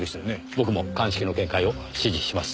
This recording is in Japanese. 僕も鑑識の見解を支持します。